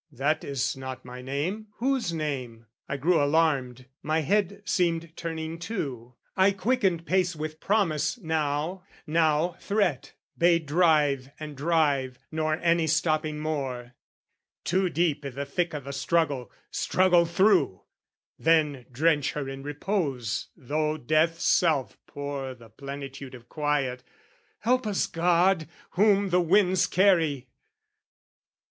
that is not my name: whose name? I grew alarmed, my head seemed turning too: I quickened pace with promise now, now threat: Bade drive and drive, nor any stopping more. "Too deep i' the thick of the struggle, struggle through! "Then drench her in repose though death's self pour "The plenitude of quiet, help us, God, "Whom the winds carry!"